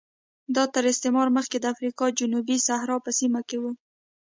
دا تر استعمار مخکې د افریقا جنوبي صحرا په سیمه کې و